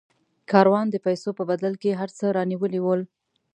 کاروان د پیسو په بدل کې هر څه رانیولي ول.